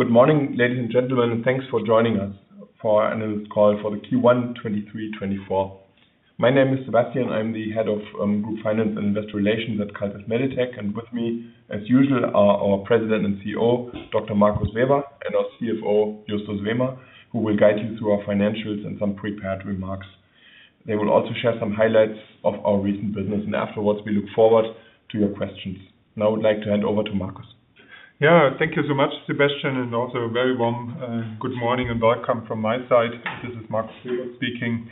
Good morning, ladies and gentlemen, and thanks for joining us for an analyst call for the Q1 2023-2024. My name is Sebastian, I'm the head of Group Finance and Investor Relations at Carl Zeiss Meditec, and with me, as usual, are our President and CEO, Dr. Markus Weber, and our CFO, Justus Wehmer, who will guide you through our financials and some prepared remarks. They will also share some highlights of our recent business, and afterwards we look forward to your questions. Now I would like to hand over to Markus. Yeah, thank you so much, Sebastian, and also a very warm good morning and welcome from my side. This is Markus Weber speaking.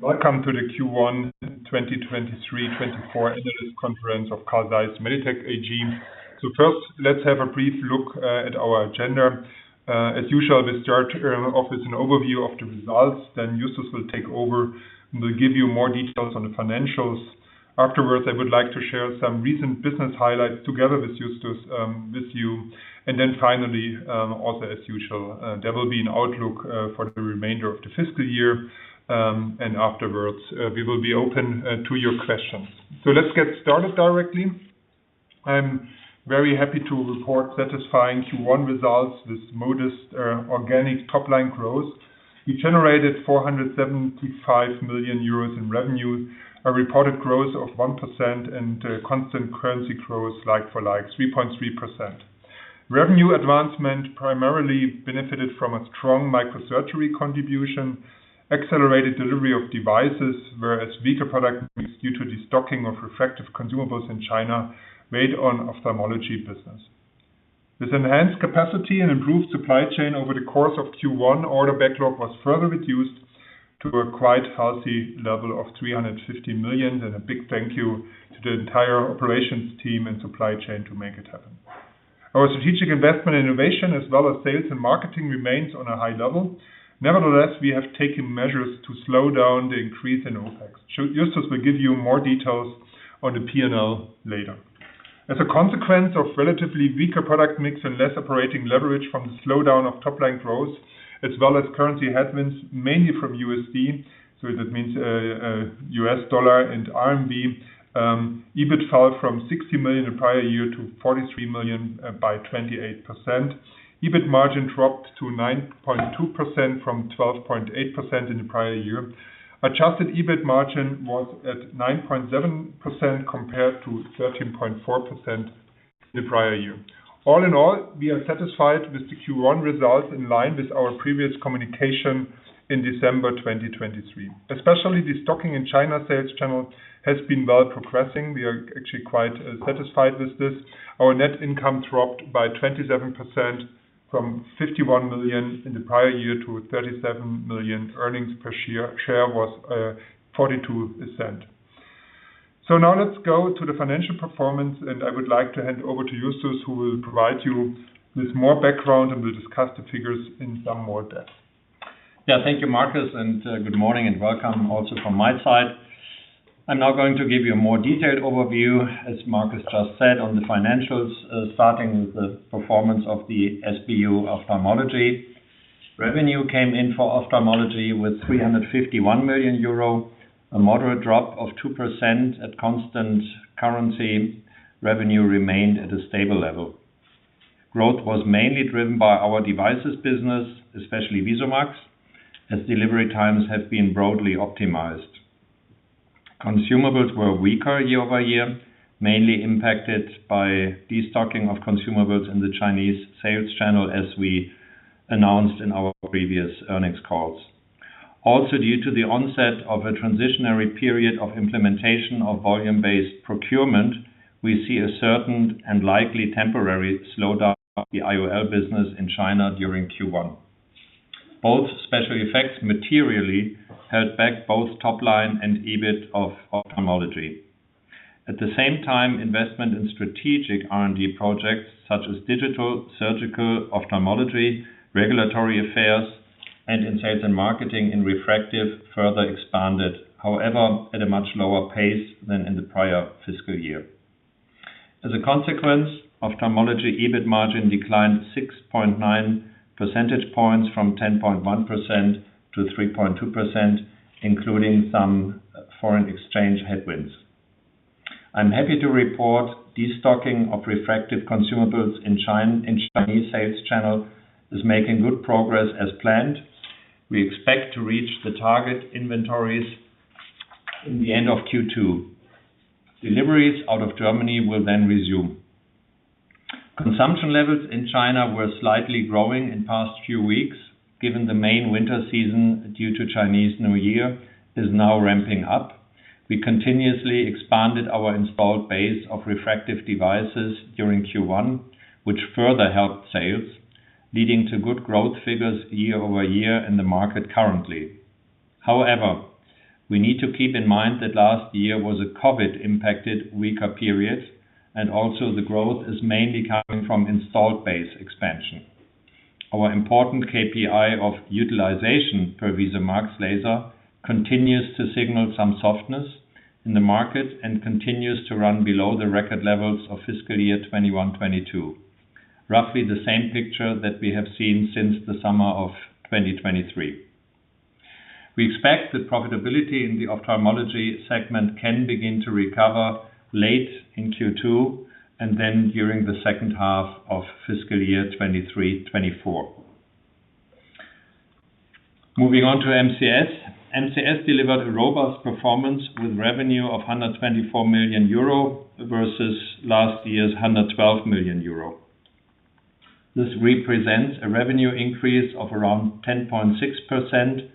Welcome to the Q1 2023-2024 analyst conference of Carl Zeiss Meditec AG. First, let's have a brief look at our agenda. As usual, we start off with an overview of the results, then Justus will take over and will give you more details on the financials. Afterwards, I would like to share some recent business highlights together with Justus with you, and then finally, also as usual, there will be an outlook for the remainder of the fiscal year, and afterwards we will be open to your questions. Let's get started directly. I'm very happy to report satisfying Q1 results with modest organic top-line growth. We generated 475 million euros in revenue, a reported growth of 1%, and Constant Currency growth like-for-like: 3.3%. Revenue advancement primarily benefited from a strong microsurgery contribution, accelerated delivery of devices, whereas unfavorable product mix due to the stocking of refractive consumables in China weighed on ophthalmology business. With enhanced capacity and improved supply chain over the course of Q1, order backlog was further reduced to a quite healthy level of 350 million, and a big thank you to the entire operations team and supply chain to make it happen. Our strategic investment in innovation, as well as sales and marketing, remains on a high level. Nevertheless, we have taken measures to slow down the increase in OPEX. Justus will give you more details on the P&L later. As a consequence of relatively weaker product mix and less operating leverage from the slowdown of top-line growth, as well as currency headwinds mainly from USD, so that means US dollar and RMB, EBIT fell from 60 million the prior year to 43 million by 28%. EBIT margin dropped to 9.2% from 12.8% in the prior year. Adjusted EBIT margin was at 9.7% compared to 13.4% in the prior year. All in all, we are satisfied with the Q1 results in line with our previous communication in December 2023. Especially the stocking in China sales channel has been well progressing. We are actually quite satisfied with this. Our net income dropped by 27% from 51 million in the prior year to 37 million. Earnings per share was 0.42. Now let's go to the financial performance, and I would like to hand over to Justus, who will provide you with more background and will discuss the figures in some more depth. Yeah, thank you, Markus, and good morning and welcome also from my side. I'm now going to give you a more detailed overview, as Markus just said, on the financials, starting with the performance of the SBU ophthalmology. Revenue came in for ophthalmology with 351 million euro, a moderate drop of 2% at Constant Currency. Revenue remained at a stable level. Growth was mainly driven by our devices business, especially VISUMAX, as delivery times have been broadly optimized. Consumables were weaker year over year, mainly impacted by destocking of consumables in the Chinese sales channel, as we announced in our previous earnings calls. Also due to the onset of a transitory period of implementation of volume-based procurement, we see a certain and likely temporary slowdown of the IOL business in China during Q1. Both special effects materially held back both top-line and EBIT of ophthalmology. At the same time, investment in strategic R&D projects such as digital, surgical, ophthalmology, regulatory affairs, and in sales and marketing in refractive further expanded, however at a much lower pace than in the prior fiscal year. As a consequence, ophthalmology EBIT margin declined 6.9 percentage points from 10.1% to 3.2%, including some foreign exchange headwinds. I'm happy to report destocking of refractive consumables in Chinese sales channel is making good progress as planned. We expect to reach the target inventories in the end of Q2. Deliveries out of Germany will then resume. Consumption levels in China were slightly growing in past few weeks, given the main winter season due to Chinese New Year is now ramping up. We continuously expanded our installed base of refractive devices during Q1, which further helped sales, leading to good growth figures year-over-year in the market currently. However, we need to keep in mind that last year was a COVID-impacted weaker period, and also the growth is mainly coming from installed base expansion. Our important KPI of utilization per VISUMAX laser continues to signal some softness in the market and continues to run below the record levels of fiscal year 2021-2022, roughly the same picture that we have seen since the summer of 2023. We expect that profitability in the ophthalmology segment can begin to recover late in Q2 and then during the second half of fiscal year 2023-2024. Moving on to MCS, MCS delivered a robust performance with revenue of 124 million euro versus last year's 112 million euro. This represents a revenue increase of around 10.6%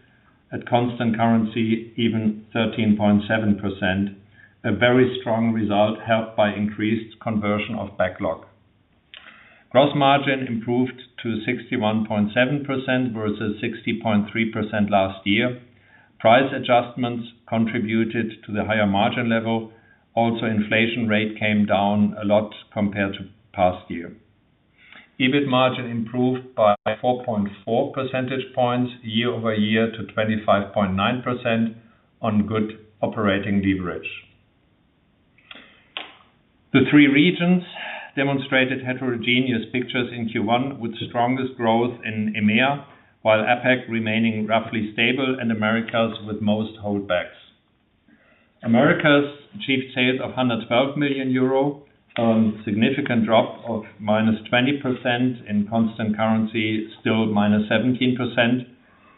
at Constant Currency, even 13.7%, a very strong result helped by increased conversion of backlog. Gross margin improved to 61.7% versus 60.3% last year. Price adjustments contributed to the higher margin level. Also, inflation rate came down a lot compared to past year. EBIT margin improved by 4.4 percentage points year-over-year to 25.9% on good operating leverage. The three regions demonstrated heterogeneous pictures in Q1, with strongest growth in EMEA, while APEC remaining roughly stable and Americas with most holdbacks. Americas achieved sales of 112 million euro, a significant drop of -20% in Constant Currency, still -17%.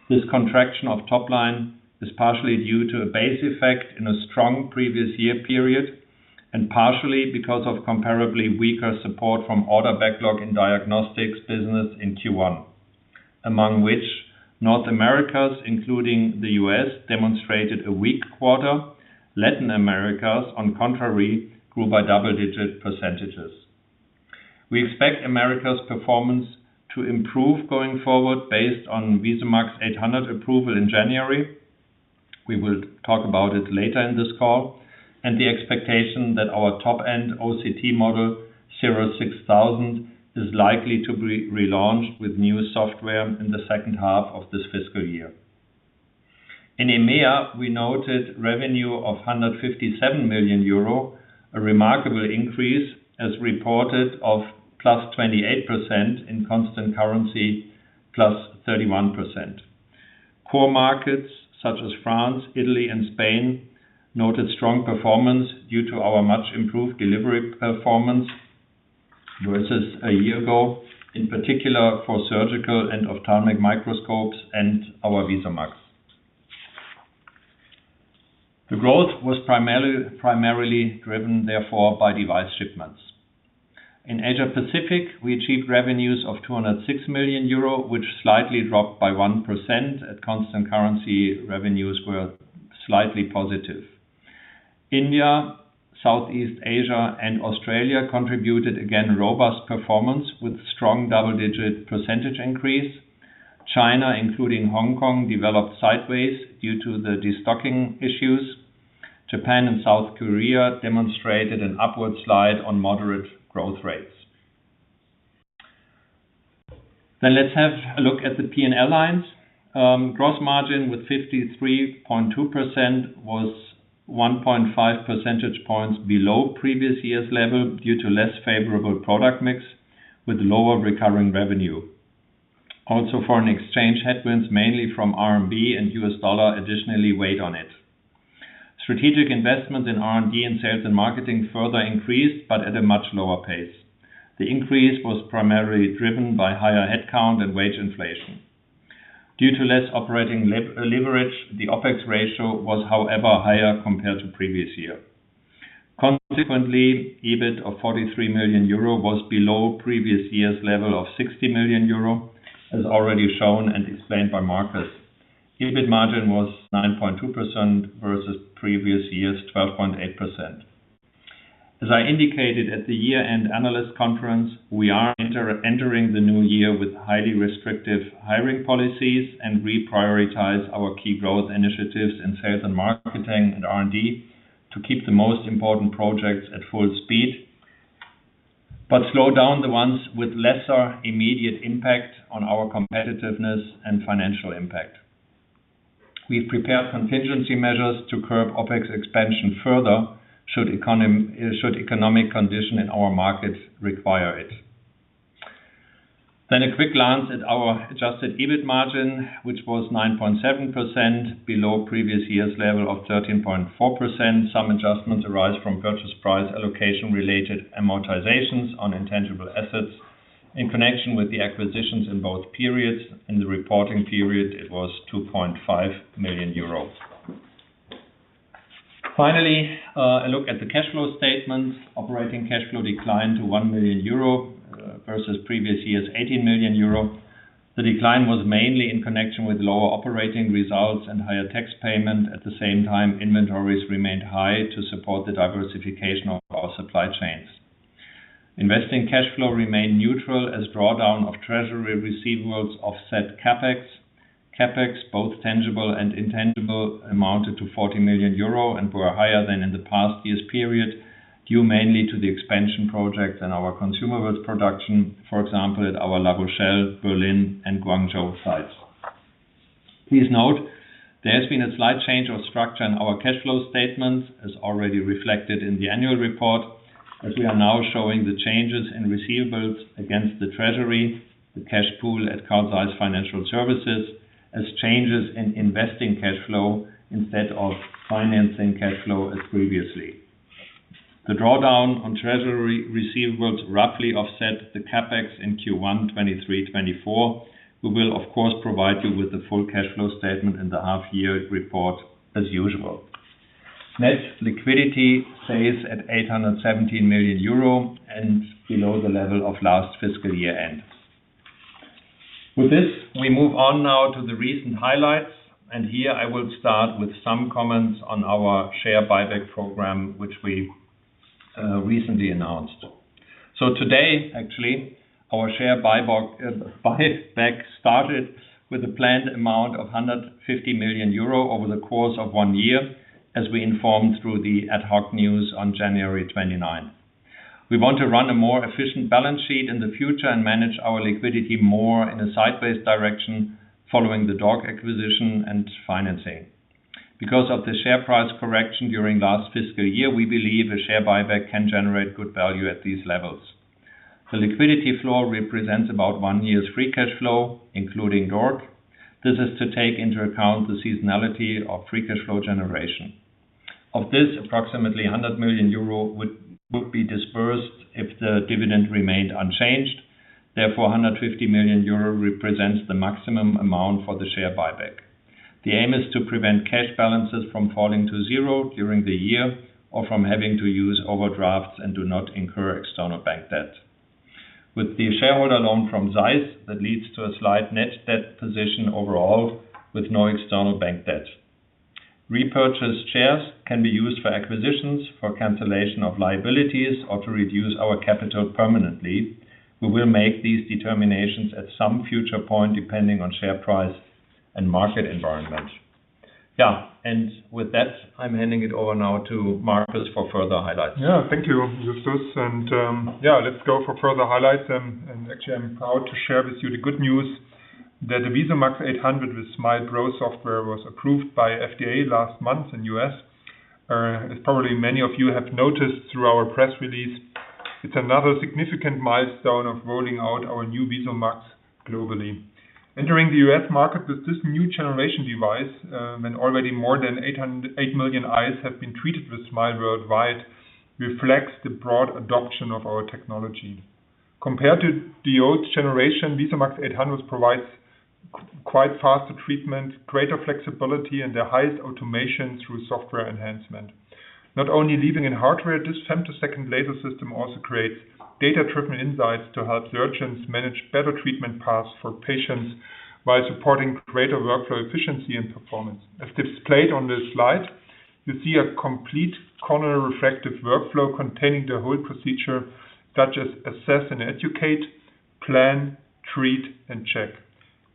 This contraction of top-line is partially due to a base effect in a strong previous year period and partially because of comparably weaker support from order backlog in diagnostics business in Q1, among which North America, including the U.S., demonstrated a weak quarter. Latin America, on the contrary, grew by double-digit percentages. We expect Americas performance to improve going forward based on VISUMAX 800 approval in January. We will talk about it later in this call, and the expectation that our top-end OCT model CIRRUS 6000 is likely to be relaunched with new software in the second half of this fiscal year. In EMEA, we noted revenue of 157 million euro, a remarkable increase, as reported, of +28% in Constant Currency, +31%. Core markets such as France, Italy, and Spain noted strong performance due to our much improved delivery performance versus a year ago, in particular for surgical and ophthalmic microscopes and our VISUMAX. The growth was primarily driven, therefore, by device shipments. In Asia Pacific, we achieved revenues of 206 million euro, which slightly dropped by 1%. At Constant Currency, revenues were slightly positive. India, Southeast Asia, and Australia contributed again robust performance with strong double-digit percentage increase. China, including Hong Kong, developed sideways due to the destocking issues. Japan and South Korea demonstrated an upward slide on moderate growth rates. Let's have a look at the P&L lines. Gross margin with 53.2% was 1.5 percentage points below previous year's level due to less favorable product mix with lower recurring revenue. Also, foreign exchange headwinds, mainly from RMB and U.S. dollar, additionally weighed on it. Strategic investments in R&D and sales and marketing further increased, but at a much lower pace. The increase was primarily driven by higher headcount and wage inflation. Due to less operating leverage, the OPEX ratio was, however, higher compared to previous year. Consequently, EBIT of 43 million euro was below previous year's level of 60 million euro, as already shown and explained by Markus. EBIT margin was 9.2% versus previous year's 12.8%. As I indicated at the year-end analyst conference, we are entering the new year with highly restrictive hiring policies and reprioritize our key growth initiatives in sales and marketing and R&D to keep the most important projects at full speed, but slow down the ones with lesser immediate impact on our competitiveness and financial impact. We've prepared contingency measures to curb OPEX expansion further should economic conditions in our markets require it. Then a quick glance at our adjusted EBIT margin, which was 9.7% below previous year's level of 13.4%. Some adjustments arise from purchase price allocation-related amortizations on intangible assets in connection with the acquisitions in both periods. In the reporting period, it was 2.5 million euros. Finally, a look at the cash flow statements. Operating cash flow declined to 1 million euro versus previous year's 18 million euro. The decline was mainly in connection with lower operating results and higher tax payment. At the same time, inventories remained high to support the diversification of our supply chains. Investing cash flow remained neutral as drawdown of treasury receivables offset CAPEX. CAPEX, both tangible and intangible, amounted to 40 million euro and were higher than in the past year's period, due mainly to the expansion projects and our consumables production, for example, at our La Rochelle, Berlin, and Guangzhou sites. Please note, there has been a slight change of structure in our cash flow statements, as already reflected in the annual report, as we are now showing the changes in receivables against the treasury, the cash pool at Carl Zeiss Financial Services, as changes in investing cash flow instead of financing cash flow as previously. The drawdown on treasury receivables roughly offset the CAPEX in Q1 2023-2024. We will, of course, provide you with the full cash flow statement in the half-year report as usual. Net liquidity stays at 817 million euro and below the level of last fiscal year end. With this, we move on now to the recent highlights. Here I will start with some comments on our share buyback program, which we recently announced. So today, actually, our share buyback started with a planned amount of 150 million euro over the course of one year, as we informed through the ad hoc news on January 29th. We want to run a more efficient balance sheet in the future and manage our liquidity more in a sideways direction following the DORC acquisition and financing. Because of the share price correction during last fiscal year, we believe a share buyback can generate good value at these levels. The liquidity floor represents about one year's free cash flow, including DORC. This is to take into account the seasonality of free cash flow generation. Of this, approximately 100 million euro would be dispersed if the dividend remained unchanged. Therefore, 150 million euro represents the maximum amount for the share buyback. The aim is to prevent cash balances from falling to zero during the year or from having to use overdrafts and do not incur external bank debt. With the shareholder loan from Zeiss, that leads to a slight net debt position overall with no external bank debt. Repurchased shares can be used for acquisitions, for cancellation of liabilities, or to reduce our capital permanently. We will make these determinations at some future point, depending on share price and market environment. Yeah. And with that, I'm handing it over now to Markus for further highlights. Yeah, thank you, Justus. Yeah, let's go for further highlights. Actually, I'm proud to share with you the good news that the VISUMAX 800 with SMILE Pro software was approved by FDA last month in the U.S., as probably many of you have noticed through our press release. It's another significant milestone of rolling out our new VISUMAX globally. Entering the U.S. market with this new generation device, when already more than eight million eyes have been treated with SMILE worldwide, reflects the broad adoption of our technology. Compared to the old generation, VISUMAX 800 provides quite faster treatment, greater flexibility, and the highest automation through software enhancement. Not only relying on hardware, this femtosecond laser system also creates data-driven insights to help surgeons manage better treatment paths for patients while supporting greater workflow efficiency and performance. As displayed on this slide, you see a complete corneal refractive workflow containing the whole procedure, such as assess and educate, plan, treat, and check.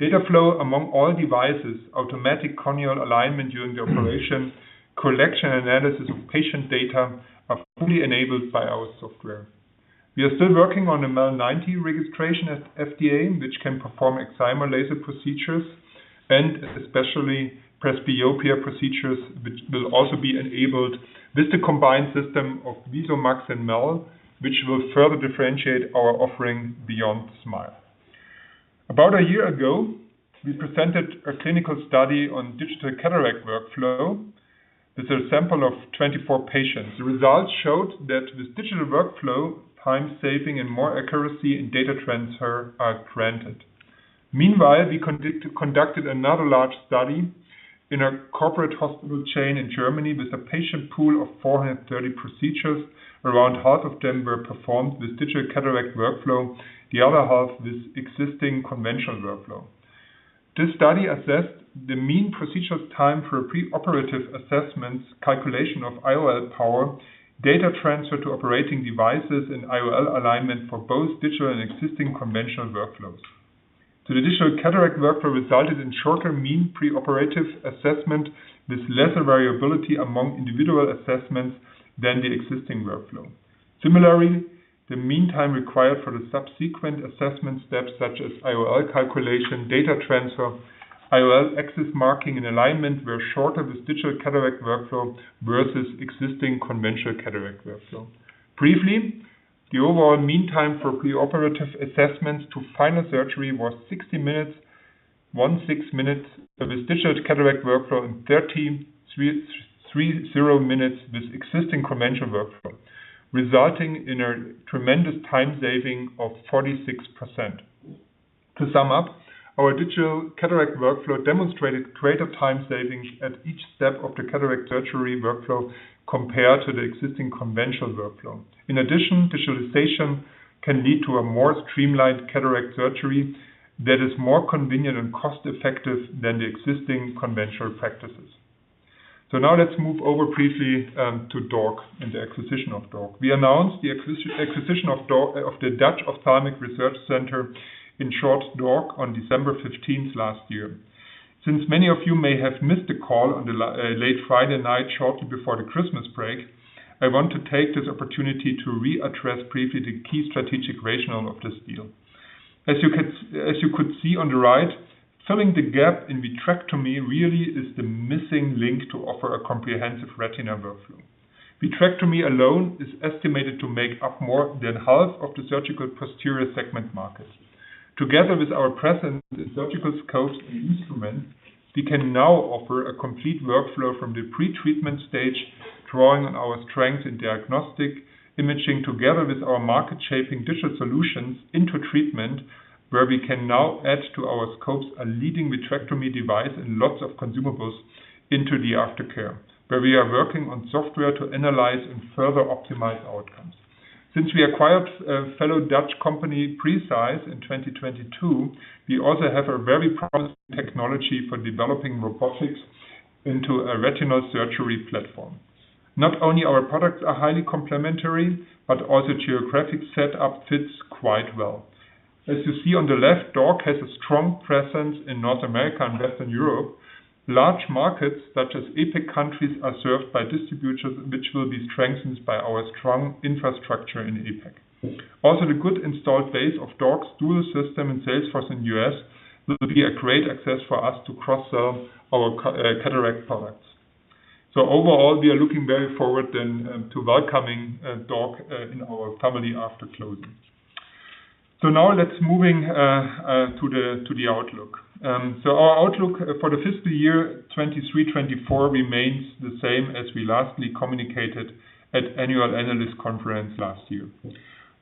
Data flow among all devices, automatic corneal alignment during the operation, collection, and analysis of patient data are fully enabled by our software. We are still working on the MEL 90 registration at FDA, which can perform excimer laser procedures and especially presbyopia procedures, which will also be enabled with the combined system of VISUMAX and MEL, which will further differentiate our offering beyond SMILE. About a year ago, we presented a clinical study on digital cataract workflow with a sample of 24 patients. The results showed that with digital workflow, time saving and more accuracy in data transfer are granted. Meanwhile, we conducted another large study in a corporate hospital chain in Germany with a patient pool of 430 procedures. Around half of them were performed with digital cataract workflow, the other half with existing conventional workflow. This study assessed the mean procedures time for a preoperative assessment calculation of IOL power, data transfer to operating devices, and IOL alignment for both digital and existing conventional workflows. So the digital cataract workflow resulted in shorter mean preoperative assessment with lesser variability among individual assessments than the existing workflow. Similarly, the mean time required for the subsequent assessment steps, such as IOL calculation, data transfer, IOL axis marking, and alignment, were shorter with digital cataract workflow versus existing conventional cataract workflow. Briefly, the overall mean time for preoperative assessments to final surgery was 60 minutes, 16 minutes with digital cataract workflow, and 30 minutes with existing conventional workflow, resulting in a tremendous time saving of 46%. To sum up, our digital cataract workflow demonstrated greater time savings at each step of the cataract surgery workflow compared to the existing conventional workflow. In addition, digitalization can lead to a more streamlined cataract surgery that is more convenient and cost-effective than the existing conventional practices. So now let's move over briefly to DORC and the acquisition of DORC. We announced the acquisition of the Dutch Ophthalmic Research Center, in short, DORC, on December 15th last year. Since many of you may have missed the call on a late Friday night shortly before the Christmas break, I want to take this opportunity to readdress briefly the key strategic rationale of this deal. As you could see on the right, filling the gap in vitrectomy really is the missing link to offer a comprehensive retina workflow. Vitrectomy alone is estimated to make up more than half of the surgical posterior segment market. Together with our presence in surgical scopes and instruments, we can now offer a complete workflow from the pretreatment stage, drawing on our strengths in diagnostic imaging together with our market-shaping digital solutions into treatment, where we can now add to our scopes a leading vitrectomy device and lots of consumables into the aftercare, where we are working on software to analyze and further optimize outcomes. Since we acquired fellow Dutch company Preceyes in 2022, we also have a very promising technology for developing robotics into a retinal surgery platform. Not only are our products highly complementary, but also the geographic setup fits quite well. As you see on the left, DORC has a strong presence in North America and Western Europe. Large markets such as APEC countries are served by distributors, which will be strengthened by our strong infrastructure in APEC. Also, the good installed base of DORC's dual system in the sales force in the U.S. will be a great access for us to cross-sell our cataract products. So overall, we are looking very forward then to welcoming DORC in our family after closing. So now let's move to the outlook. So our outlook for the fiscal year 2023-2024 remains the same as we lastly communicated at the annual analyst conference last year.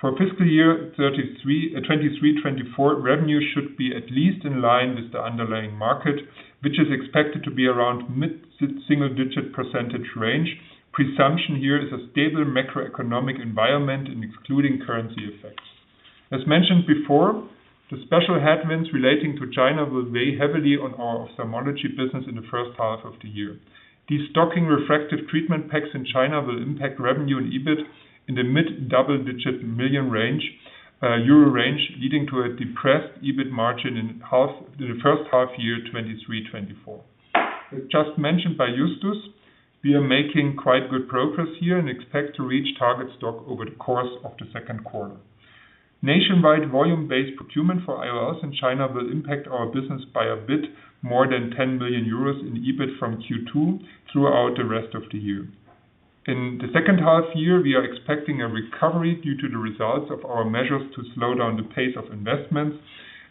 For fiscal year 2023-2024, revenue should be at least in line with the underlying market, which is expected to be around mid-single-digit % range. Presumption here is a stable macroeconomic environment and excluding currency effects. As mentioned before, the special headwinds relating to China will weigh heavily on our ophthalmology business in the first half of the year. The destocking refractive treatment packs in China will impact revenue and EBIT in the mid-double-digit million range, leading to a depressed EBIT margin in the first half-year 2023-2024. As just mentioned by Justus, we are making quite good progress here and expect to reach target stock over the course of the second quarter. Nationwide volume-based procurement for IOLs in China will impact our business by a bit more than 10 million euros in EBIT from Q2 throughout the rest of the year. In the second half-year, we are expecting a recovery due to the results of our measures to slow down the pace of investments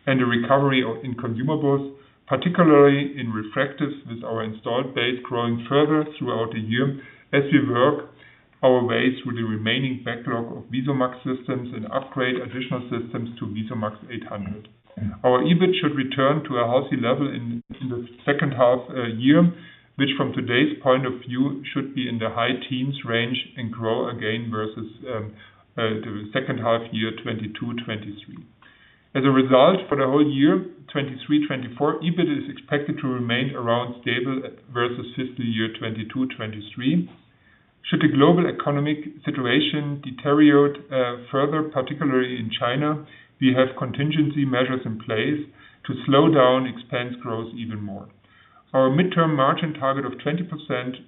and the recovery in consumables, particularly in refractive with our installed base growing further throughout the year as we work our way through the remaining backlog of VISUMAX systems and upgrade additional systems to VISUMAX 800. Our EBIT should return to a healthy level in the second half year, which from today's point of view should be in the high teens range and grow again versus the second half year 2022-2023. As a result, for the whole year 2023-2024, EBIT is expected to remain around stable versus fiscal year 2022-2023. Should the global economic situation deteriorate further, particularly in China, we have contingency measures in place to slow down expense growth even more. Our mid-term margin target of 20%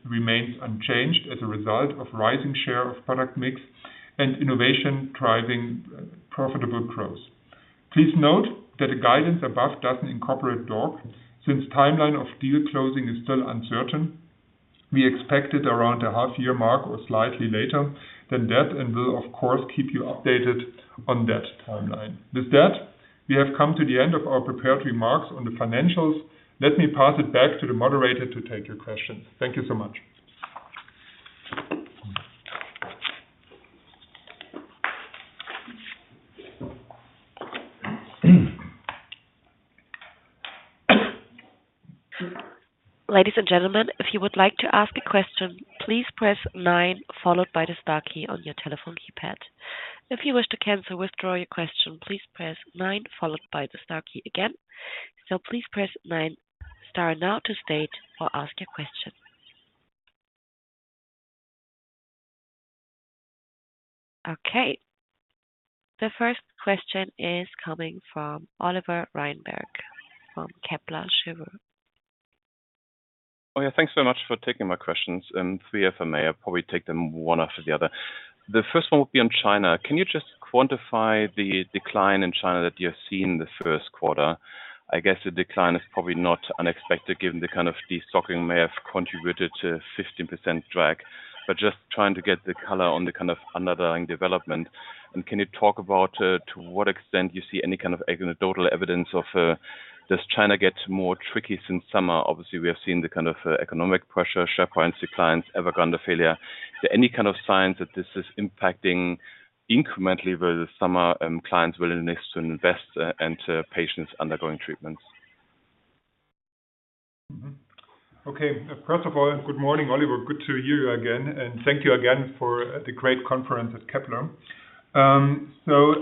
remains unchanged as a result of rising share of product mix and innovation driving profitable growth. Please note that the guidance above doesn't incorporate DORC. Since the timeline of deal closing is still uncertain, we expect it around the half-year mark or slightly later than that and will, of course, keep you updated on that timeline. With that, we have come to the end of our preparatory remarks on the financials. Let me pass it back to the moderator to take your questions. Thank you so much. Ladies and gentlemen, if you would like to ask a question, please press 9 followed by the star key on your telephone keypad. If you wish to cancel or withdraw your question, please press 9 followed by the star key again. So please press 9 star now to state or ask your question. Okay. The first question is coming from Oliver Reinberg from Kepler Cheuvreux. Oh yeah, thanks very much for taking my questions. Three questions, maybe. I'll probably take them one after the other. The first one would be on China. Can you just quantify the decline in China that you have seen in the first quarter? I guess the decline is probably not unexpected given the kind of the stocking may have contributed to a 15% drag, but just trying to get the color on the kind of underlying development. Can you talk about to what extent you see any kind of anecdotal evidence of does China get more tricky since summer? Obviously, we have seen the kind of economic pressure, share price declines, Evergrande failure. Is there any kind of signs that this is impacting incrementally where the summer clients will need to invest and patients undergoing treatments? Okay. First of all, good morning, Oliver. Good to hear you again. Thank you again for the great conference at Kepler. So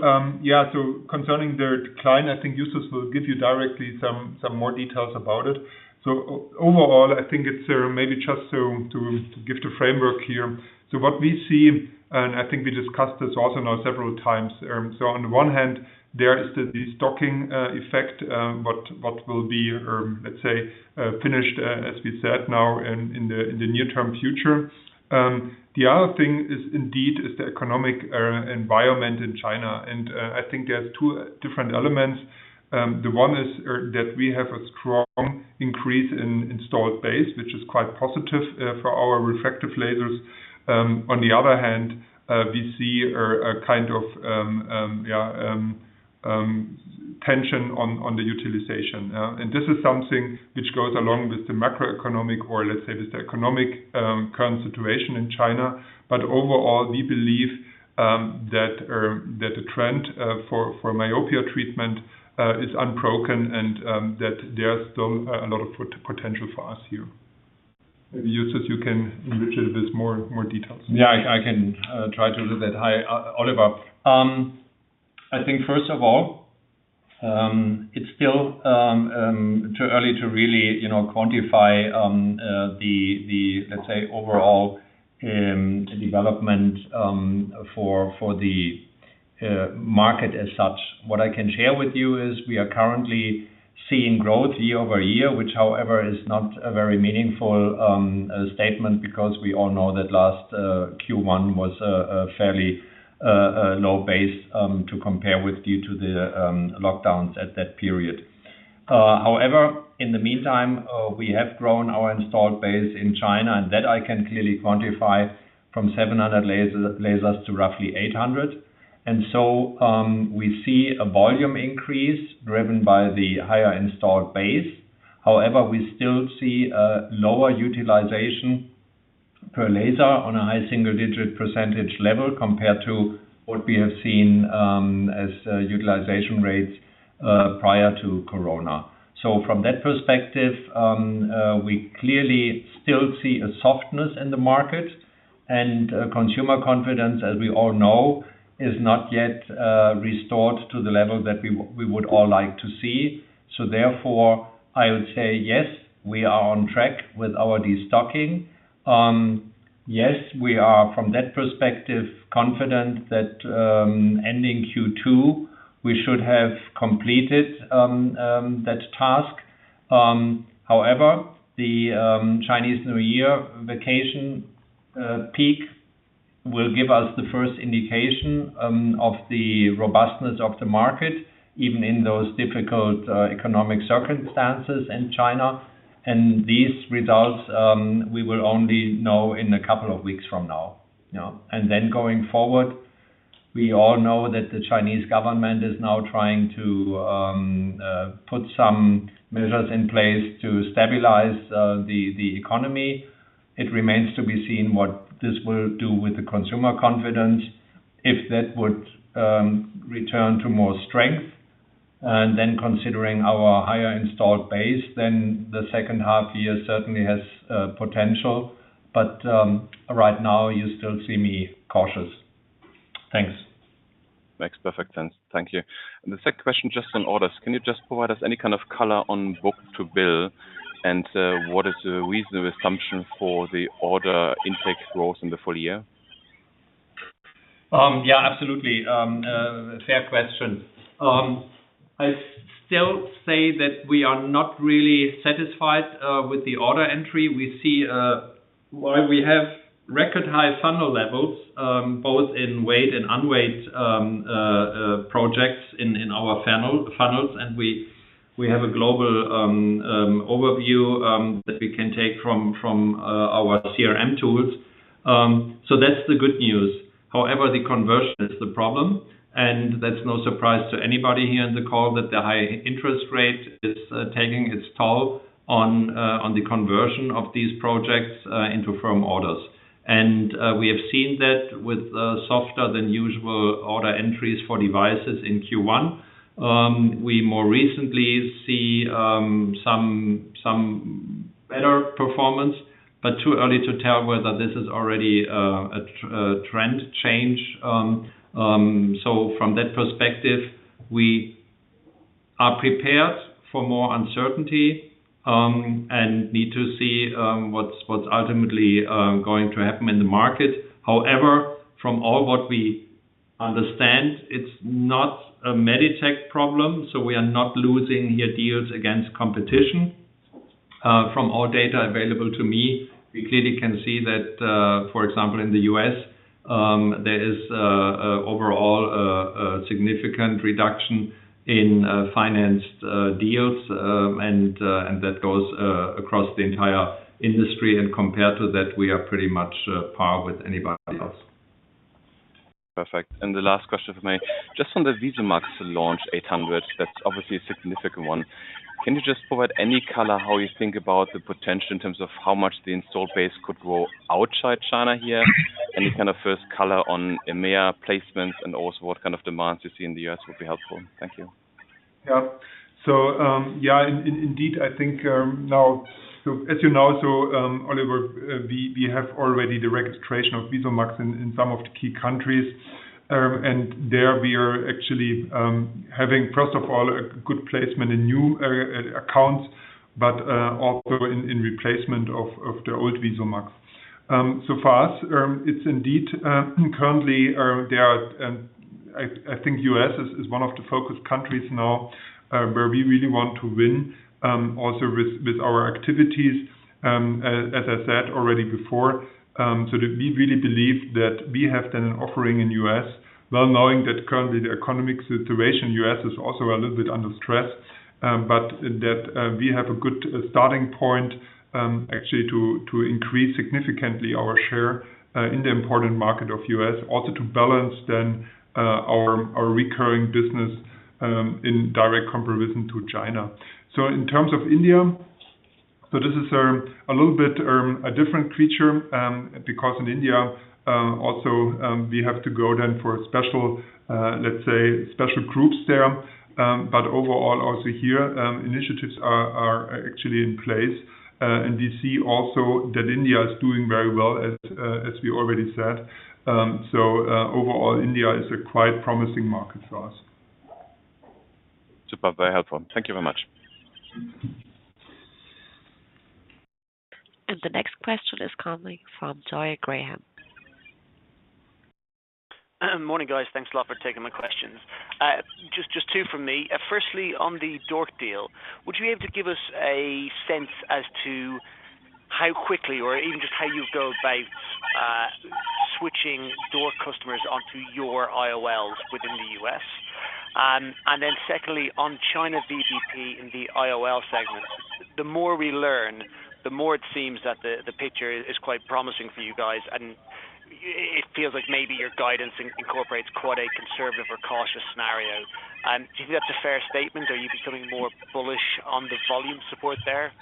yeah, so concerning the decline, I think Justus will give you directly some more details about it. So overall, I think it's maybe just to give the framework here. So what we see, and I think we discussed this also now several times, so on the one hand, there is the stocking effect what will be, let's say, finished, as we said, now in the near-term future. The other thing is indeed the economic environment in China. And I think there's two different elements. The one is that we have a strong increase in installed base, which is quite positive for our refractive lasers. On the other hand, we see a kind of, yeah, tension on the utilization. And this is something which goes along with the macroeconomic or, let's say, with the economic current situation in China. But overall, we believe that the trend for myopia treatment is unbroken and that there's still a lot of potential for us here. Maybe Justus, you can enrich it with more details. Yeah, I can try to do that. Oliver, I think first of all, it's still too early to really quantify the, let's say, overall development for the market as such. What I can share with you is we are currently seeing growth year-over-year, which, however, is not a very meaningful statement because we all know that last Q1 was fairly low base to compare with due to the lockdowns at that period. However, in the meantime, we have grown our installed base in China, and that I can clearly quantify from 700 lasers to roughly 800. And so we see a volume increase driven by the higher installed base. However, we still see lower utilization per laser on a high single-digit % level compared to what we have seen as utilization rates prior to Corona. So from that perspective, we clearly still see a softness in the market. Consumer confidence, as we all know, is not yet restored to the level that we would all like to see. So therefore, I would say, yes, we are on track with our destocking. Yes, we are, from that perspective, confident that ending Q2, we should have completed that task. However, the Chinese New Year vacation peak will give us the first indication of the robustness of the market even in those difficult economic circumstances in China. These results, we will only know in a couple of weeks from now. And then going forward, we all know that the Chinese government is now trying to put some measures in place to stabilize the economy. It remains to be seen what this will do with the consumer confidence if that would return to more strength. And then considering our higher installed base, then the second half year certainly has potential. But right now, you still see me cautious. Thanks. Makes perfect sense. Thank you. The second question, just on orders. Can you just provide us any kind of color on Book to Bill and what is the reasonable assumption for the order intake growth in the full year? Yeah, absolutely. Fair question. I'd still say that we are not really satisfied with the order intake. We see we have record high funnel levels both in weighted and unweighted projects in our funnels. And we have a global overview that we can take from our CRM tools. So that's the good news. However, the conversion is the problem. That's no surprise to anybody here on the call that the high interest rate is taking its toll on the conversion of these projects into firm orders. We have seen that with softer than usual order entries for devices in Q1. We more recently see some better performance, but too early to tell whether this is already a trend change. So from that perspective, we are prepared for more uncertainty and need to see what's ultimately going to happen in the market. However, from all what we understand, it's not a Meditec problem. So we are not losing here deals against competition. From all data available to me, we clearly can see that, for example, in the U.S., there is overall a significant reduction in financed deals. And that goes across the entire industry. And compared to that, we are pretty much par with anybody else. Perfect. And the last question for me. Just on the VISUMAX 800 launch, that's obviously a significant one. Can you just provide any color how you think about the potential in terms of how much the installed base could grow outside China here? Any kind of first color on EMEA placements and also what kind of demands you see in the US would be helpful. Thank you. Yeah. So yeah, indeed, I think now so as you know, so Oliver, we have already the registration of VISUMAX in some of the key countries. And there, we are actually having, first of all, a good placement in new accounts, but also in replacement of the old VISUMAX. So far as it's indeed, currently, there are I think the US is one of the focus countries now where we really want to win also with our activities, as I said already before. So we really believe that we have then an offering in the U.S., well knowing that currently the economic situation in the U.S. is also a little bit under stress, but that we have a good starting point actually to increase significantly our share in the important market of the U.S., also to balance then our recurring business in direct comparison to China. So in terms of India, so this is a little bit a different creature because in India, also, we have to go then for, let's say, special groups there. But overall, also here, initiatives are actually in place. And we see also that India is doing very well, as we already said. So overall, India is a quite promising market for us. Super. Very helpful. Thank you very much. And the next question is coming from Graham Doyle. Morning, guys. Thanks a lot for taking my questions. Just two from me. Firstly, on the DORC deal, would you be able to give us a sense as to how quickly or even just how you go about switching DORC customers onto your IOLs within the US? And then secondly, on China VBP in the IOL segment, the more we learn, the more it seems that the picture is quite promising for you guys. And it feels like maybe your guidance incorporates quite a conservative or cautious scenario. Do you think that's a fair statement? Are you becoming more bullish on the volume support there?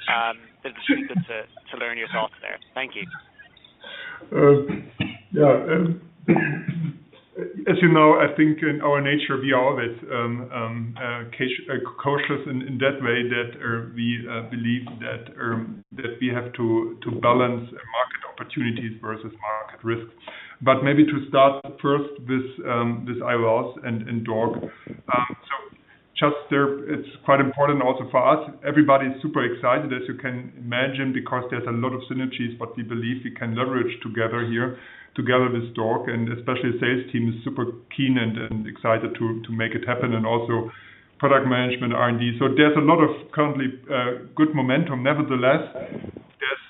It would be good to learn your thoughts there. Thank you. Yeah. As you know, I think in our nature, we are a bit cautious in that way that we believe that we have to balance market opportunities versus market risks. But maybe to start first with IOLs and DORC. So just there, it's quite important also for us. Everybody is super excited, as you can imagine, because there's a lot of synergies. But we believe we can leverage together here together with DORC. And especially the sales team is super keen and excited to make it happen and also product management, R&D. So there's a lot of currently good momentum. Nevertheless,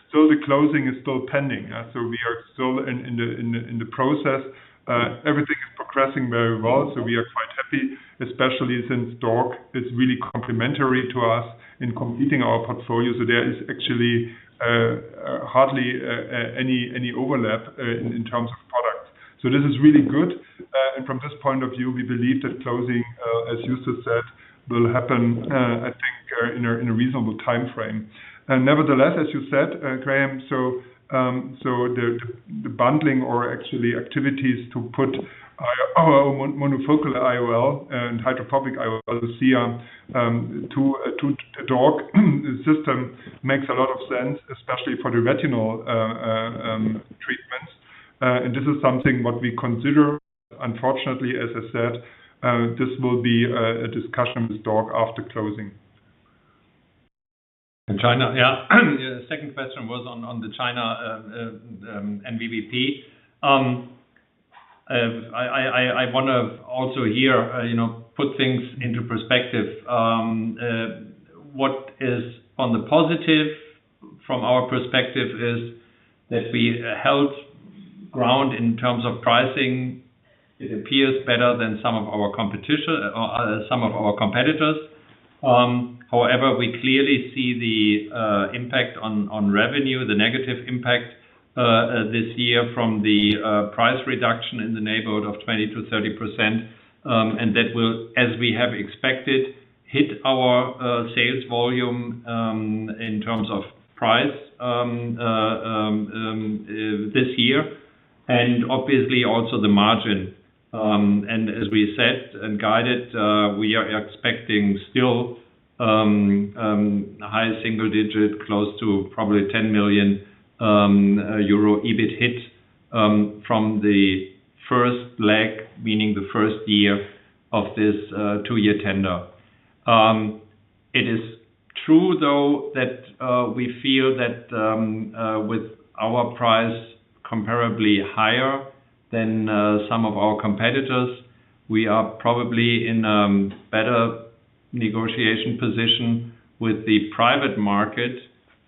still, the closing is still pending. So we are still in the process. Everything is progressing very well. So we are quite happy, especially since DORC is really complementary to us in completing our portfolio. So there is actually hardly any overlap in terms of product. So this is really good. And from this point of view, we believe that closing, as Justus said, will happen, I think, in a reasonable time frame. Nevertheless, as you said, Graham, so the bundling or actually activities to put our monofocal IOL and hydrophobic IOL, LUCIA, to a DORC system makes a lot of sense, especially for the retinal treatments. And this is something what we consider, unfortunately, as I said, this will be a discussion with DORC after closing. And China, yeah. Second question was on the China NVBP. I want to also here put things into perspective. What is on the positive from our perspective is that we held ground in terms of pricing. It appears better than some of our competition or some of our competitors. However, we clearly see the impact on revenue, the negative impact this year from the price reduction in the neighborhood of 20%-30%. And that will, as we have expected, hit our sales volume in terms of price this year and obviously also the margin. And as we said and guided, we are expecting still a high single digit, close to probably 10 million euro EBIT hit from the first leg, meaning the first year of this two-year tender. It is true, though, that we feel that with our price comparably higher than some of our competitors, we are probably in a better negotiation position with the private market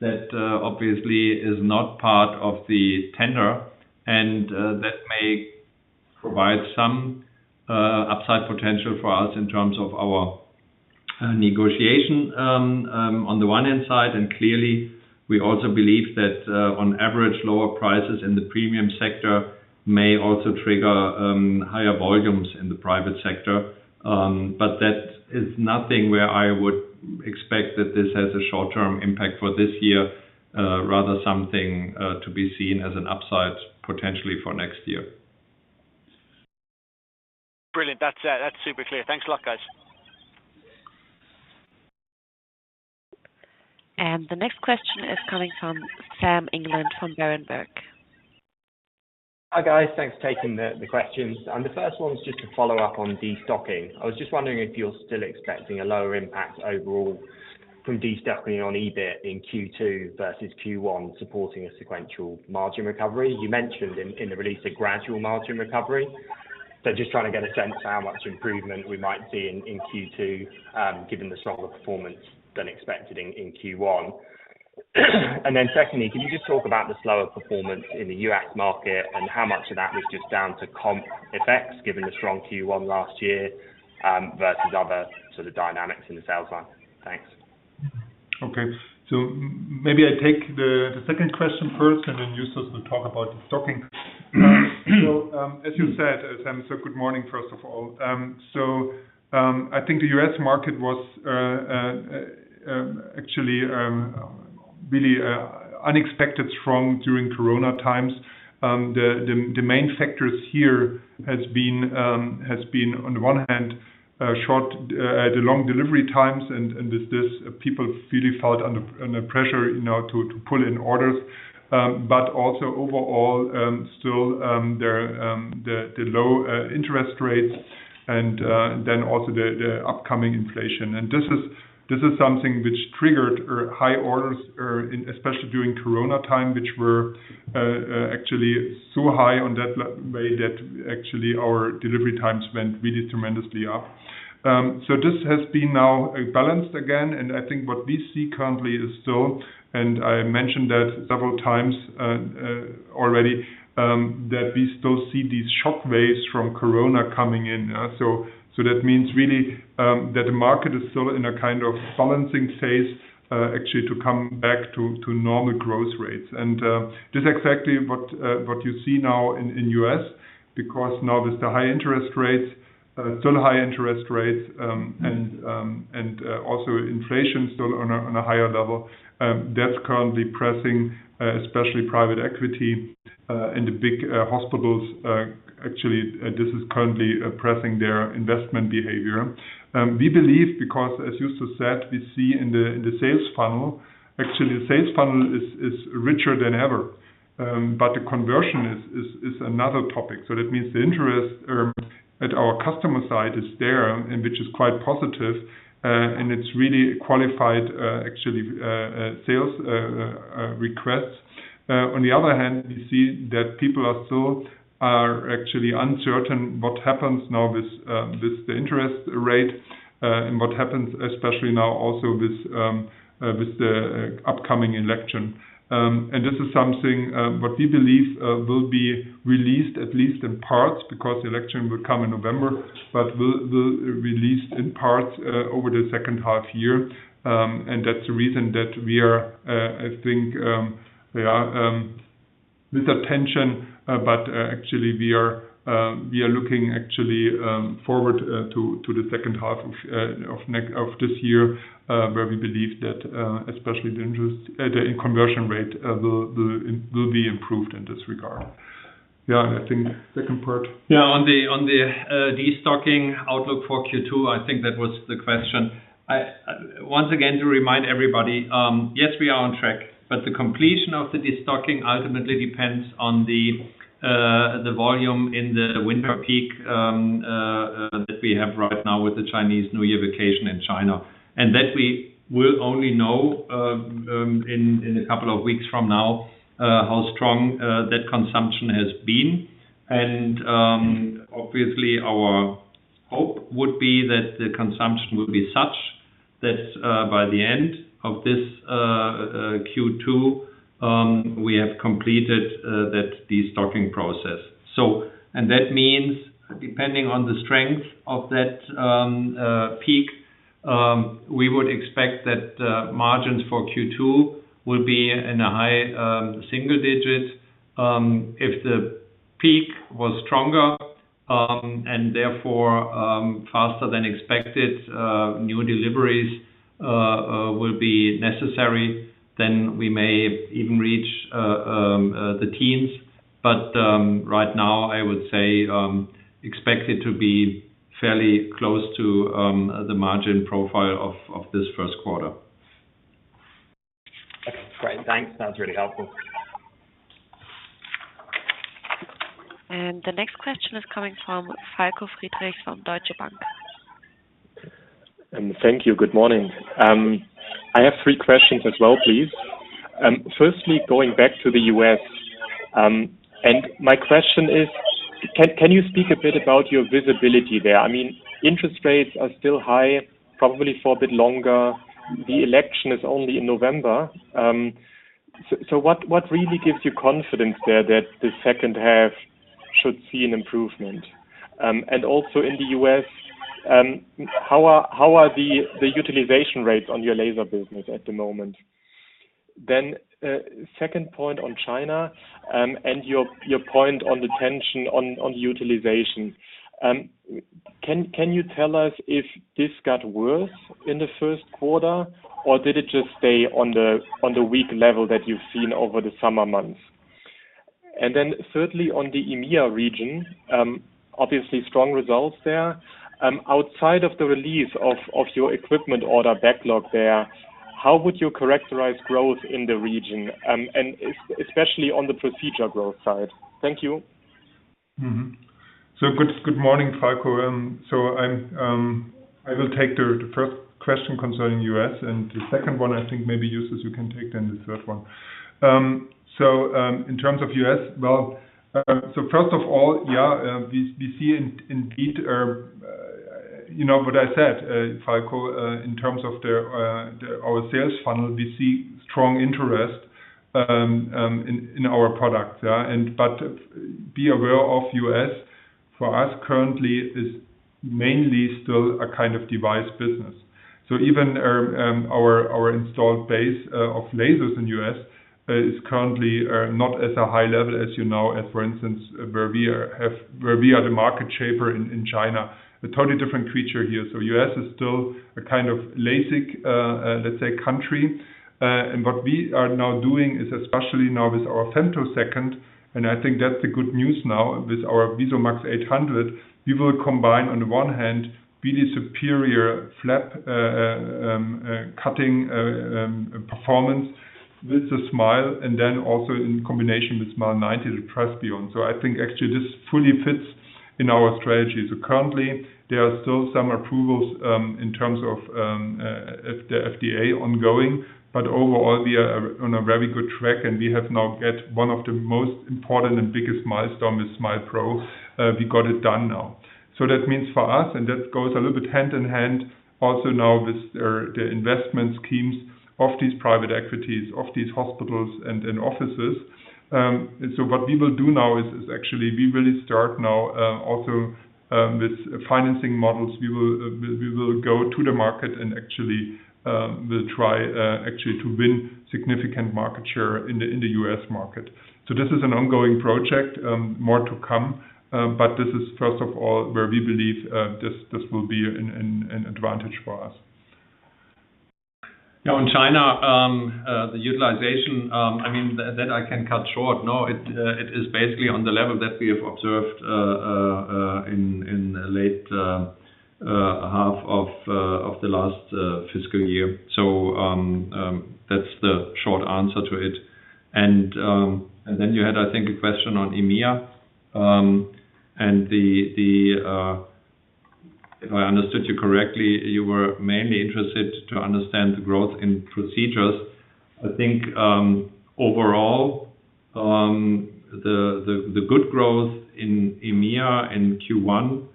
that obviously is not part of the tender. And that may provide some upside potential for us in terms of our negotiation on the one hand side. And clearly, we also believe that on average, lower prices in the premium sector may also trigger higher volumes in the private sector. But that is nothing where I would expect that this has a short-term impact for this year, rather something to be seen as an upside potentially for next year. Brilliant. That's super clear. Thanks a lot, guys. And the next question is coming from Sam England from Berenberg. Hi, guys. Thanks for taking the questions. And the first one's just a follow-up on destocking. I was just wondering if you're still expecting a lower impact overall from destocking on EBIT in Q2 versus Q1 supporting a sequential margin recovery. You mentioned in the release a gradual margin recovery. So just trying to get a sense how much improvement we might see in Q2 given the stronger performance than expected in Q1. And then secondly, can you just talk about the slower performance in the U.S. market and how much of that was just down to comp effects given the strong Q1 last year versus other sort of dynamics in the sales line? Thanks. Okay. So maybe I take the second question first, and then Justus will talk about destocking. So, as you said, Sam, good morning, first of all. I think the US market was actually really unexpected strong during Corona times. The main factors here has been, on the one hand, the long delivery times. And people really felt under pressure to pull in orders. But also overall, still, the low interest rates and then also the upcoming inflation. And this is something which triggered high orders, especially during Corona time, which were actually so high on that way that actually our delivery times went really tremendously up. So this has been now balanced again. And I think what we see currently is still and I mentioned that several times already that we still see these shock waves from Corona coming in. So that means really that the market is still in a kind of balancing phase actually to come back to normal growth rates. This is exactly what you see now in the U.S. because now with the high interest rates, still high interest rates, and also inflation still on a higher level, that's currently pressing, especially private equity and the big hospitals. Actually, this is currently pressing their investment behavior. We believe because, as Justus said, we see in the sales funnel actually, the sales funnel is richer than ever. But the conversion is another topic. So that means the interest at our customer side is there, which is quite positive. And it's really qualified, actually, sales requests. On the other hand, we see that people still are actually uncertain what happens now with the interest rate and what happens, especially now also with the upcoming election. And this is something what we believe will be released at least in parts because the election will come in November but will be released in parts over the second half year. And that's the reason that we are, I think, yeah, with attention. But actually, we are looking actually forward to the second half of this year where we believe that especially the conversion rate will be improved in this regard. Yeah. And I think second part. Yeah. On the destocking outlook for Q2, I think that was the question. Once again, to remind everybody, yes, we are on track. But the completion of the destocking ultimately depends on the volume in the winter peak that we have right now with the Chinese New Year vacation in China. And that we will only know in a couple of weeks from now how strong that consumption has been. Obviously, our hope would be that the consumption will be such that by the end of this Q2, we have completed that destocking process. And that means, depending on the strength of that peak, we would expect that margins for Q2 will be in a high single-digit. If the peak was stronger and therefore faster than expected, new deliveries will be necessary, then we may even reach the teens. But right now, I would say, expect it to be fairly close to the margin profile of this first quarter. Okay. Great. Thanks. That was really helpful. And the next question is coming from Falko Friedrichs from Deutsche Bank. Thank you. Good morning. I have three questions as well, please. Firstly, going back to the U.S. My question is, can you speak a bit about your visibility there? I mean, interest rates are still high, probably for a bit longer. The election is only in November. So what really gives you confidence there that the second half should see an improvement? And also in the U.S., how are the utilization rates on your laser business at the moment? Then second point on China and your point on the tension on the utilization. Can you tell us if this got worse in the first quarter, or did it just stay on the weak level that you've seen over the summer months? And then thirdly, on the EMEA region, obviously, strong results there. Outside of the release of your equipment order backlog there, how would you characterize growth in the region, especially on the procedure growth side? Thank you. So good morning, Falko. So I will take the first question concerning U.S. And the second one, I think, maybe Justus, you can take then the third one. So in terms of U.S., well, so first of all, yeah, we see indeed what I said, Falko. In terms of our sales funnel, we see strong interest in our products. But be aware of U.S., for us currently, is mainly still a kind of device business. So even our installed base of lasers in the U.S. is currently not as high level as you know, as for instance, where we are the market shaper in China, a totally different creature here. So U.S. is still a kind of LASIK, let's say, country. And what we are now doing is especially now with our femtosecond. And I think that's the good news now with our VISUMAX 800. We will combine, on the one hand, really superior flap cutting performance with the SMILE and then also in combination with MEL 90, the Trans-PRK. So I think actually this fully fits in our strategy. So currently, there are still some approvals in terms of the FDA ongoing. But overall, we are on a very good track. And we have now got one of the most important and biggest milestones with SMILE Pro. We got it done now. So that means for us, and that goes a little bit hand in hand also now with the investment schemes of these private equities, of these hospitals and offices. So what we will do now is actually we really start now also with financing models. We will go to the market and actually will try actually to win significant market share in the U.S. market. So this is an ongoing project, more to come. But this is first of all where we believe this will be an advantage for us. Yeah. On China, the utilization, I mean, that I can cut short. No, it is basically on the level that we have observed in the late half of the last fiscal year. So that's the short answer to it. And then you had, I think, a question on EMEA. And if I understood you correctly, you were mainly interested to understand the growth in procedures. I think overall, the good growth in EMEA in Q1,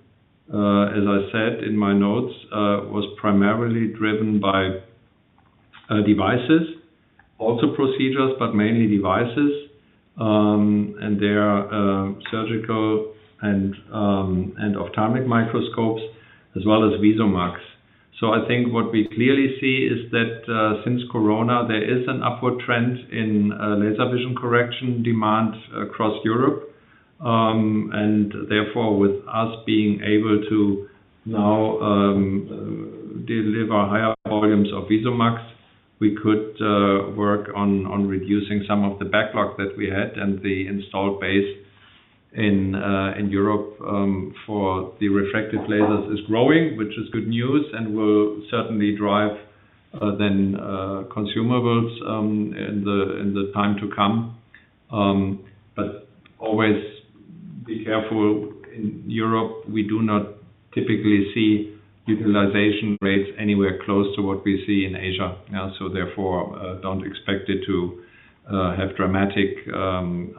as I said in my notes, was primarily driven by devices, also procedures, but mainly devices and their surgical and ophthalmic microscopes as well as VISUMAX. So I think what we clearly see is that since Corona, there is an upward trend in laser vision correction demand across Europe. And therefore, with us being able to now deliver higher volumes of VISUMAX, we could work on reducing some of the backlog that we had. And the installed base in Europe for the refractive lasers is growing, which is good news and will certainly drive the consumables in the time to come. But always be careful. In Europe, we do not typically see utilization rates anywhere close to what we see in Asia. So therefore, don't expect it to have dramatic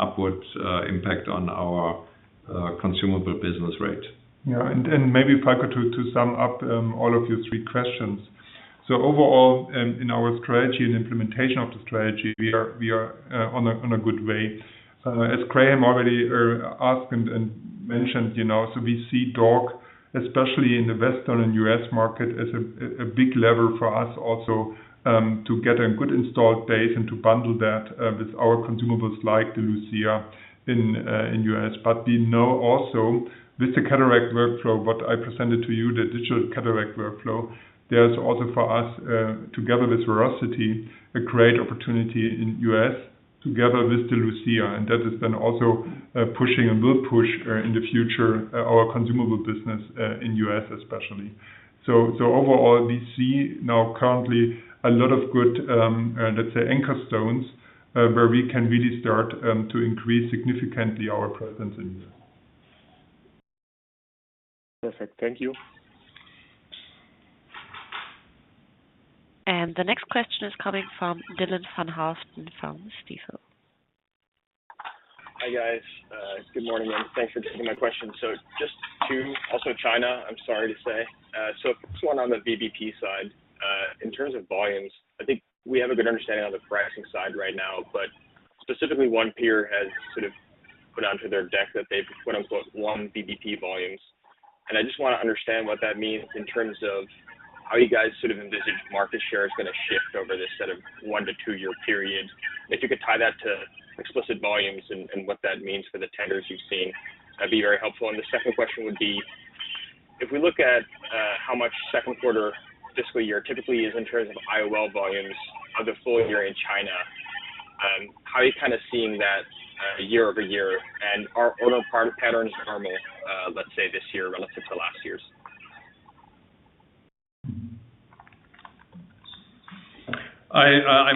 upward impact on our consumable business rate. Yeah. And maybe Falko, to sum up all of your three questions. So overall, in our strategy and implementation of the strategy, we are on a good way. As Graham already asked and mentioned, so we see DORC, especially in the Western and US market, as a big lever for us also to get a good installed base and to bundle that with our consumables like the LUCIA in the US. But we know also with the cataract workflow, what I presented to you, the digital cataract workflow, there is also for us, together with VERACTY, a great opportunity in the US together with the LUCIA. And that is then also pushing and will push in the future our consumable business in the US especially. So overall, we see now currently a lot of good, let's say, anchor stones where we can really start to increase significantly our presence in the US. Perfect. Thank you. And the next question is coming from Dylan van Haaften from Stifel. Hi, guys. Good morning, and thanks for taking my question. So just two, also China, I'm sorry to say. So first one on the VBP side. In terms of volumes, I think we have a good understanding on the pricing side right now. But specifically, one peer has sort of put onto their deck that they've "won" VBP volumes. And I just want to understand what that means in terms of how you guys sort of envisage market share is going to shift over this set of one-to-two-year period. And if you could tie that to explicit volumes and what that means for the tenders you've seen, that'd be very helpful. And the second question would be, if we look at how much second quarter fiscal year typically is in terms of IOL volumes of the full year in China, how are you kind of seeing that year-over-year? Are order patterns normal, let's say, this year relative to last year’s? I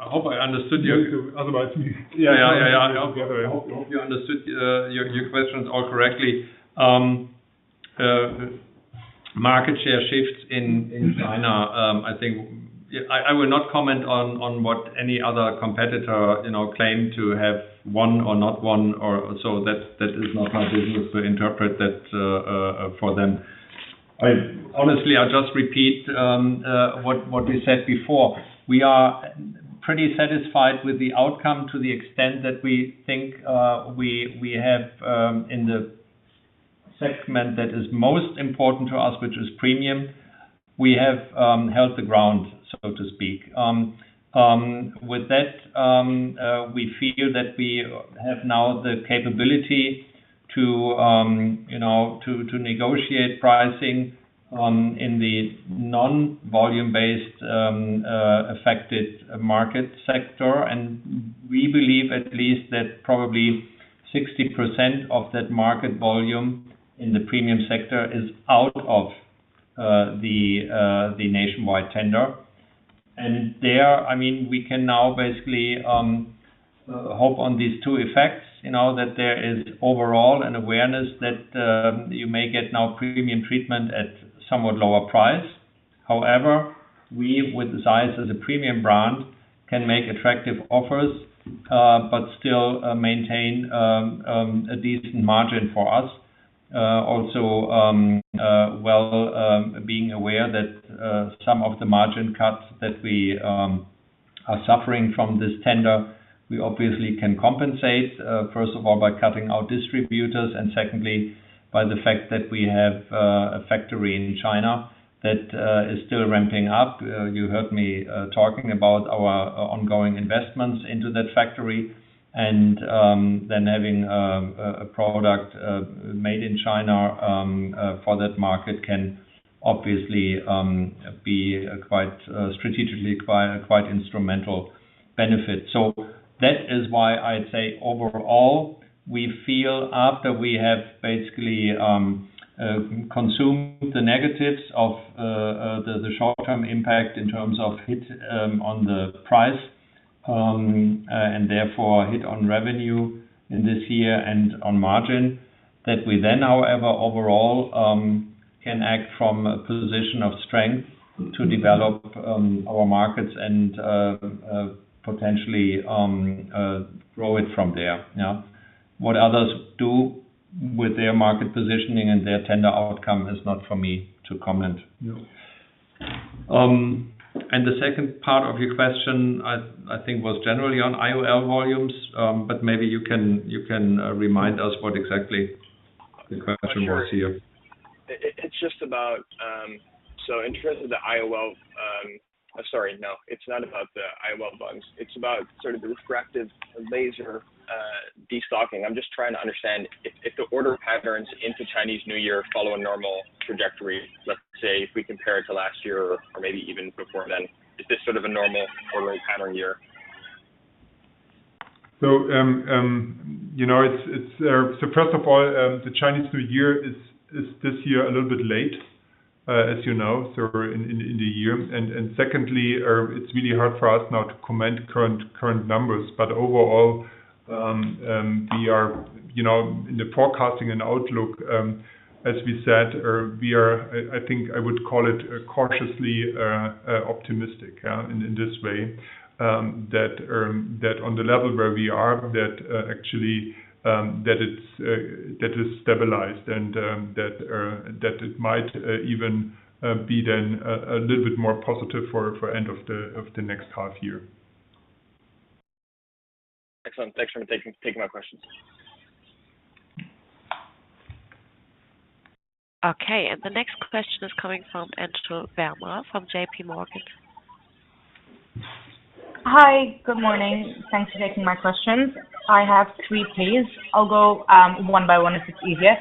hope I understood you. Otherwise, yeah, yeah, yeah, yeah. I hope the other way. I hope you understood your questions all correctly. Market share shifts in China, I think I will not comment on what any other competitor claimed to have won or not won. So that is not my business to interpret that for them. Honestly, I'll just repeat what we said before. We are pretty satisfied with the outcome to the extent that we think we have in the segment that is most important to us, which is premium, we have held the ground, so to speak. With that, we feel that we have now the capability to negotiate pricing in the non-volume-based affected market sector. We believe at least that probably 60% of that market volume in the premium sector is out of the nationwide tender. And there, I mean, we can now basically hope on these two effects, that there is overall an awareness that you may get now premium treatment at somewhat lower price. However, we with Zeiss as a premium brand can make attractive offers but still maintain a decent margin for us, also well being aware that some of the margin cuts that we are suffering from this tender, we obviously can compensate, first of all, by cutting out distributors and secondly, by the fact that we have a factory in China that is still ramping up. You heard me talking about our ongoing investments into that factory. And then having a product made in China for that market can obviously be quite strategically quite instrumental benefit. So that is why I'd say overall, we feel after we have basically consumed the negatives of the short-term impact in terms of hit on the price and therefore hit on revenue in this year and on margin, that we then, however, overall can act from a position of strength to develop our markets and potentially grow it from there. What others do with their market positioning and their tender outcome is not for me to comment. And the second part of your question, I think, was generally on IOL volumes. But maybe you can remind us what exactly the question was here. It's just about so in terms of the IOL—sorry, no. It's not about the IOL bugs. It's about sort of the refractive laser destocking. I'm just trying to understand if the order patterns into Chinese New Year follow a normal trajectory, let's say, if we compare it to last year or maybe even before then, is this sort of a normal ordering pattern year? So first of all, the Chinese New Year is this year a little bit late, as you know, so in the year. And secondly, it's really hard for us now to comment current numbers. But overall, we are in the forecasting and outlook, as we said, we are I think I would call it cautiously optimistic in this way, that on the level where we are, that actually it is stabilized and that it might even be then a little bit more positive for end of the next half year. Excellent. Thanks for taking my questions. Okay. And the next question is coming from Anchal Verma from JPMorgan. Hi. Good morning. Thanks for taking my questions. I have three, please. I'll go one by one if it's easier.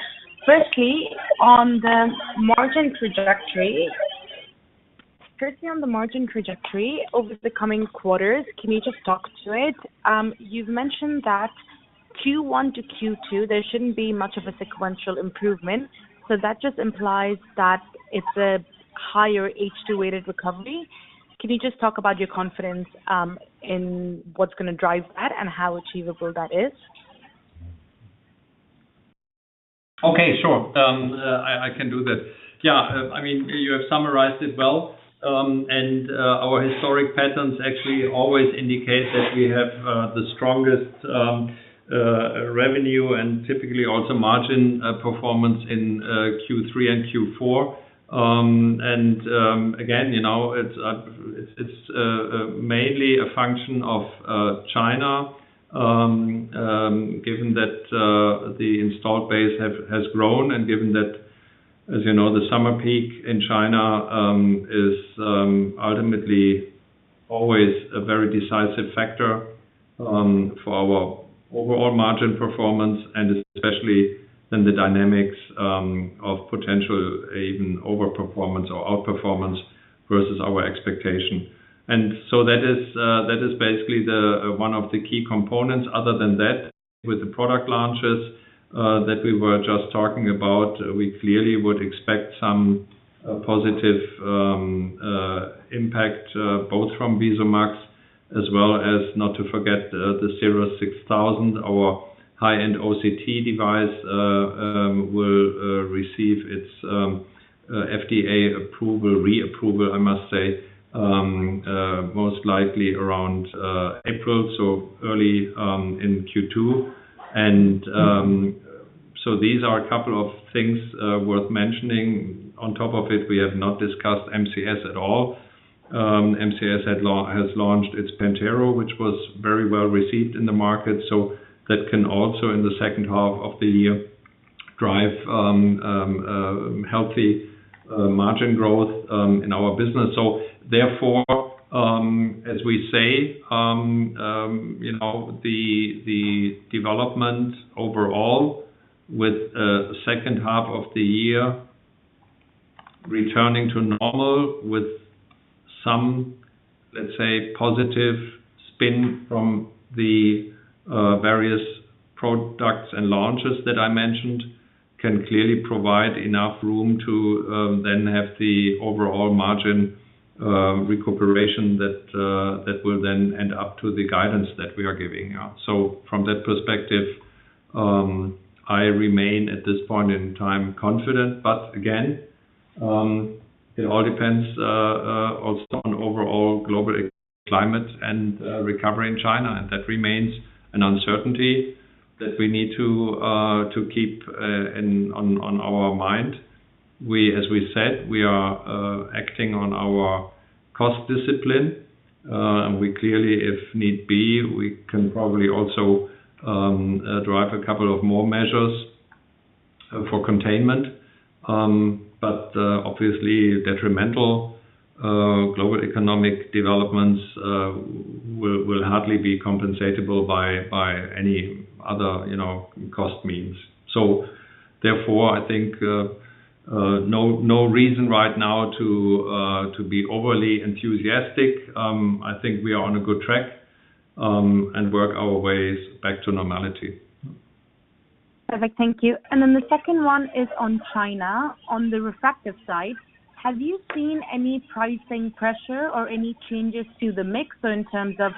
Firstly, on the margin trajectory, firstly, on the margin trajectory over the coming quarters, can you just talk to it? You've mentioned that Q1 to Q2, there shouldn't be much of a sequential improvement. So that just implies that it's a higher H2-weighted recovery. Can you just talk about your confidence in what's going to drive that and how achievable that is? Okay. Sure. I can do that. Yeah. I mean, you have summarized it well. Our historic patterns actually always indicate that we have the strongest revenue and typically also margin performance in Q3 and Q4. And again, it's mainly a function of China given that the installed base has grown and given that, as you know, the summer peak in China is ultimately always a very decisive factor for our overall margin performance and especially then the dynamics of potential even overperformance or outperformance versus our expectation. And so that is basically one of the key components. Other than that, with the product launches that we were just talking about, we clearly would expect some positive impact both from VISUMAX as well as not to forget the CIRRUS 6000, our high-end OCT device will receive its FDA approval, reapproval, I must say, most likely around April, so early in Q2. And so these are a couple of things worth mentioning. On top of it, we have not discussed MCS at all. MCS has launched its PENTERO, which was very well received in the market. So that can also, in the second half of the year, drive healthy margin growth in our business. So therefore, as we say, the development overall with second half of the year returning to normal with some, let's say, positive spin from the various products and launches that I mentioned can clearly provide enough room to then have the overall margin recuperation that will then end up to the guidance that we are giving. So from that perspective, I remain at this point in time confident. But again, it all depends also on overall global climate and recovery in China. And that remains an uncertainty that we need to keep on our mind. As we said, we are acting on our cost discipline. And we clearly, if need be, we can probably also drive a couple of more measures for containment. But obviously, detrimental global economic developments will hardly be compensatable by any other cost means. So therefore, I think no reason right now to be overly enthusiastic. I think we are on a good track and work our ways back to normality. Perfect. Thank you. And then the second one is on China. On the refractive side, have you seen any pricing pressure or any changes to the mix in terms of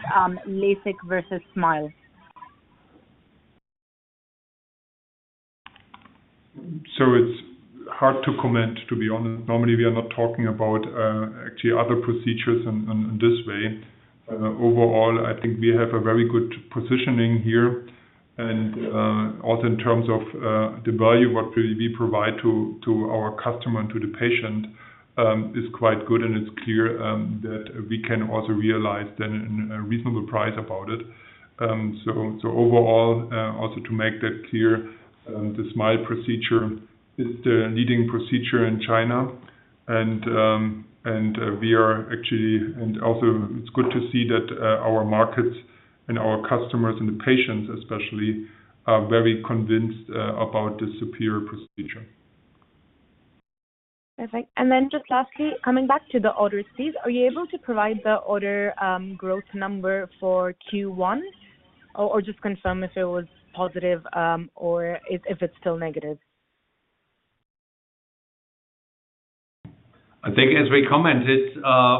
LASIK versus SMILE? So it's hard to comment, to be honest. Normally, we are not talking about actually other procedures in this way. Overall, I think we have a very good positioning here. And also in terms of the value what we provide to our customer and to the patient is quite good. And it's clear that we can also realize then a reasonable price about it. So overall, also to make that clear, the SMILE procedure is the leading procedure in China. And we are actually and also, it's good to see that our markets and our customers and the patients especially are very convinced about this superior procedure. Perfect. And then just lastly, coming back to the orders, please, are you able to provide the order growth number for Q1 or just confirm if it was positive or if it's still negative? I think as we commented,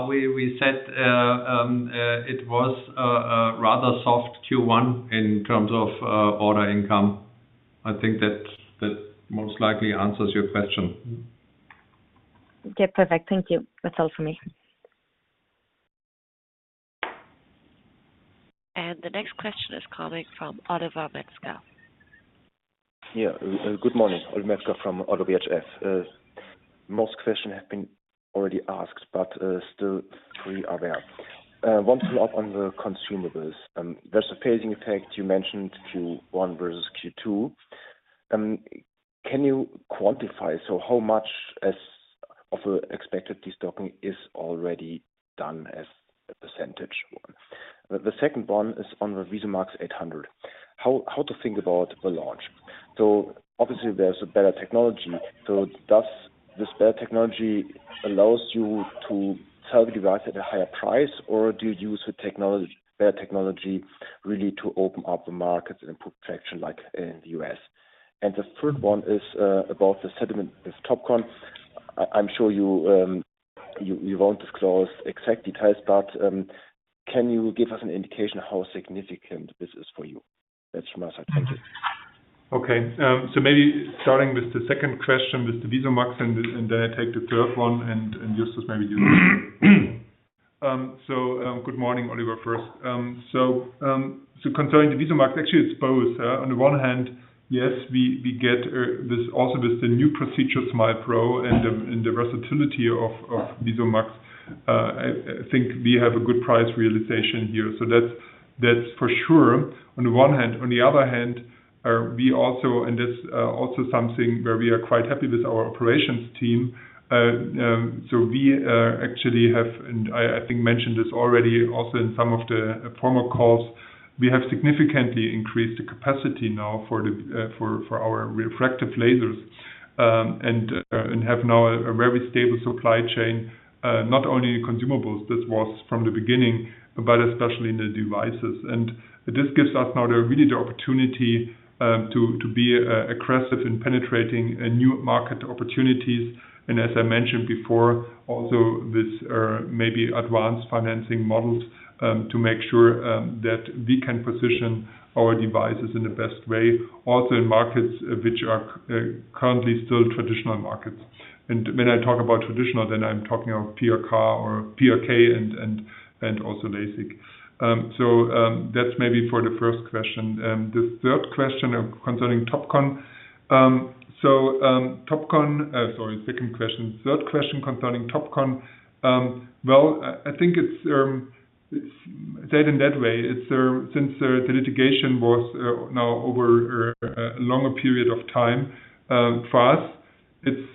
we said it was a rather soft Q1 in terms of order intake. I think that most likely answers your question. Okay. Perfect. Thank you. That's all from me. And the next question is coming from Oliver Metzger. Yeah. Good morning, Oliver Metzger from Oddo BHF. Most questions have been already asked, but still three are there. One follow-up on the consumables. There's a phasing effect. You mentioned Q1 versus Q2. Can you quantify, so how much of the expected destocking is already done as a percentage? The second one is on the VISUMAX 800, how to think about the launch. So obviously, there's a better technology. So does this better technology allows you to sell the device at a higher price, or do you use better technology really to open up the markets and improve traction like in the US? And the third one is about the settlement with Topcon. I'm sure you won't disclose exact details, but can you give us an indication how significant this is for you? That's from us. Thank you. Okay. So maybe starting with the second question with the VISUMAX, and then I take the third one and just maybe use the so. Good morning, Oliver, first. So concerning the VISUMAX, actually, it's both. On the one hand, yes, we get also with the new procedure SMILE Pro and the versatility of VISUMAX, I think we have a good price realization here. So that's for sure on the one hand. On the other hand, we also and that's also something where we are quite happy with our operations team. So we actually have and I think mentioned this already also in some of the former calls, we have significantly increased the capacity now for our refractive lasers and have now a very stable supply chain, not only consumables. This was from the beginning, but especially in the devices. And this gives us now really the opportunity to be aggressive in penetrating new market opportunities. And as I mentioned before, also this maybe advanced financing models to make sure that we can position our devices in the best way also in markets which are currently still traditional markets. And when I talk about traditional, then I'm talking of PRK and also LASIK. So that's maybe for the first question. The third question concerning Topcon so Topcon sorry, second question. Third question concerning Topcon. Well, I think it's said in that way. Since the litigation was now over a longer period of time for us, it's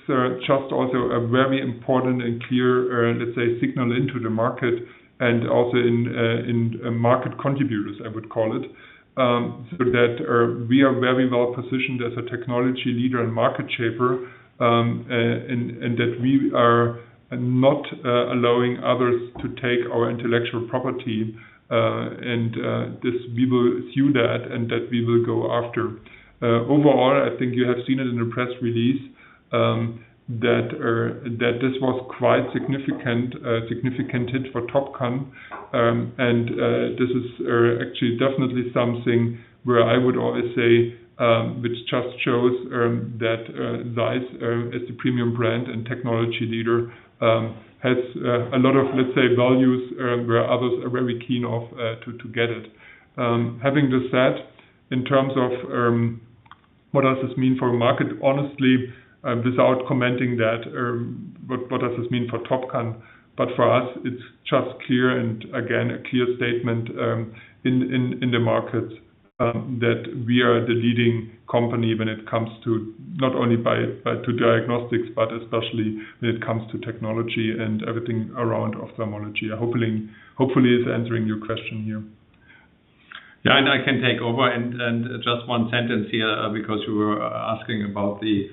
just also a very important and clear, let's say, signal into the market and also in market contributors, I would call it, so that we are very well positioned as a technology leader and market shaper and that we are not allowing others to take our intellectual property. And we will sue that and that we will go after. Overall, I think you have seen it in the press release that this was quite a significant hit for Topcon. And this is actually definitely something where I would always say which just shows that Zeiss, as the premium brand and technology leader, has a lot of, let's say, values where others are very keen to get it. Having this said, in terms of what does this mean for the market, honestly, without commenting that, what does this mean for Topcon? But for us, it's just clear and again, a clear statement in the markets that we are the leading company when it comes to not only to diagnostics, but especially when it comes to technology and everything around ophthalmology. Hopefully, it's answering your question here. Yeah. And I can take over. And just one sentence here because you were asking about the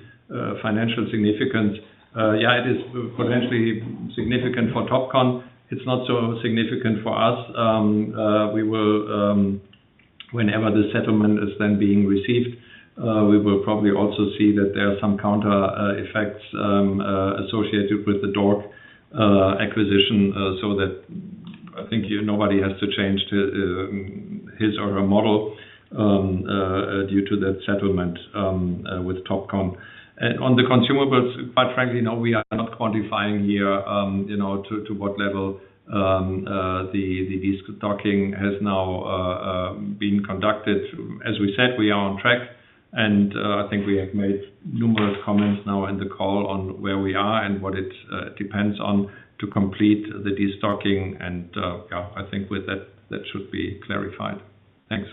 financial significance. Yeah. It is potentially significant for Topcon. It's not so significant for us. Whenever the settlement is then being received, we will probably also see that there are some counter effects associated with the DORC acquisition so that I think nobody has to change his or her model due to that settlement with Topcon. On the consumables, quite frankly, no, we are not quantifying here to what level the destocking has now been conducted. As we said, we are on track. I think we have made numerous comments now in the call on where we are and what it depends on to complete the destocking. Yeah, I think with that, that should be clarified. Thanks.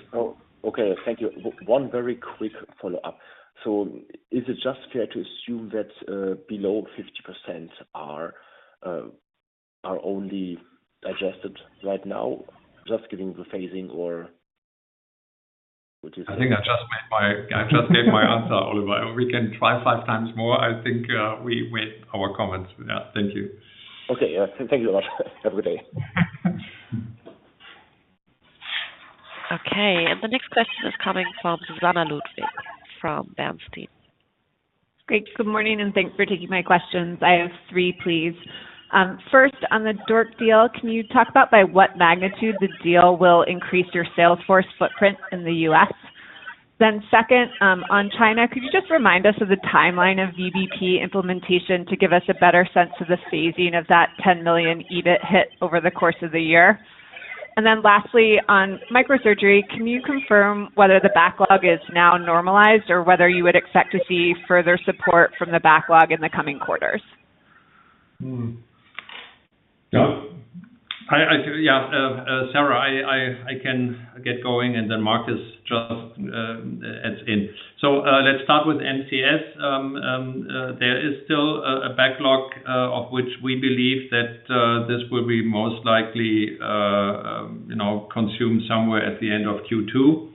Okay. Thank you. One very quick follow-up. So is it just fair to assume that below 50% are only digested right now, just giving the phasing or would you say? I just gave my answer, Oliver. We can try five times more. I think we weighed our comments. Yeah. Thank you. Okay. Yeah. Thank you so much. Have a good day. Okay. And the next question is coming from Susannah Ludwig from Bernstein. Great. Good morning. And thanks for taking my questions. I have three, please. First, on the DORC deal, can you talk about by what magnitude the deal will increase your salesforce footprint in the US? Then second, on China, could you just remind us of the timeline of VBP implementation to give us a better sense of the phasing of that 10 million EBIT hit over the course of the year? And then lastly, on microsurgery, can you confirm whether the backlog is now normalized or whether you would expect to see further support from the backlog in the coming quarters? Yeah. Sarah, I can get going. Then Markus just adds in. So let's start with MCS. There is still a backlog of which we believe that this will be most likely consumed somewhere at the end of Q2.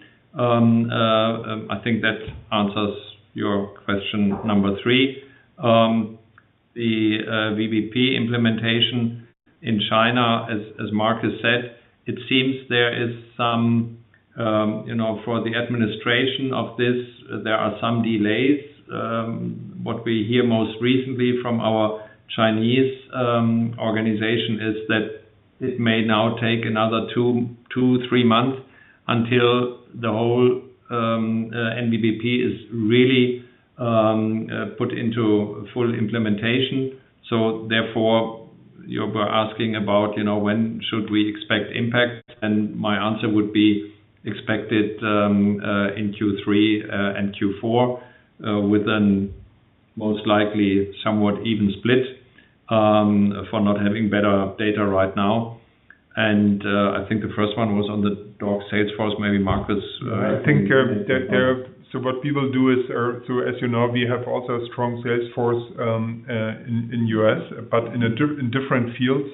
I think that answers your question number three. The VBP implementation in China, as Markus said, it seems there is some for the administration of this, there are some delays. What we hear most recently from our Chinese organization is that it may now take another two-three months until the whole NVBP is really put into full implementation. So therefore, you were asking about when should we expect impact? Then my answer would be expected in Q3 and Q4 with a most likely somewhat even split for not having better data right now. And I think the first one was on the DORC salesforce. Maybe Markus. I think, so what we will do is, so as you know, we have also a strong sales force in the U.S., but in different fields.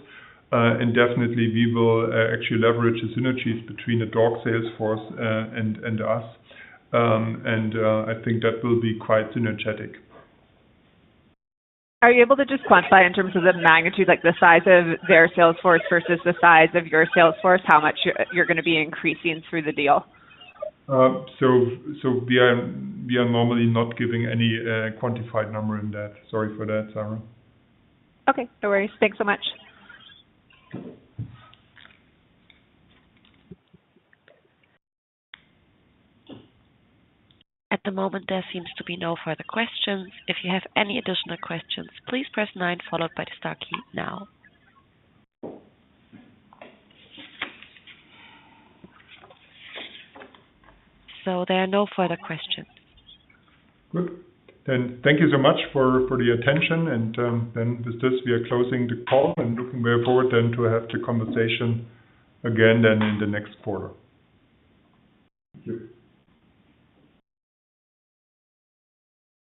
And definitely, we will actually leverage the synergies between the DORC. sales force and us. And I think that will be quite synergetic. Are you able to just quantify in terms of the magnitude, like the size of their sales force versus the size of your sales force, how much you're going to be increasing through the deal? So we are normally not giving any quantified number in that. Sorry for that, Sarah. Okay. No worries. Thanks so much. At the moment, there seems to be no further questions. If you have any additional questions, please press nine followed by the star key now. So there are no further questions. Good. Then thank you so much for the attention. And then with this, we are closing the call and looking very forward then to have the conversation again then in the next quarter. Thank you.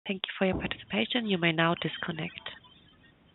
Thank you for your participation. You may now disconnect.